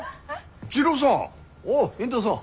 滋郎さん。